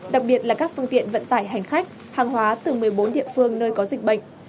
đặc biệt là các phương tiện vận tải hành khách hàng hóa từ một mươi bốn địa phương nơi có dịch bệnh